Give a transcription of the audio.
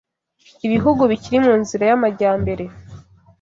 Ibihugu bikiri mu nzira y'amajyambere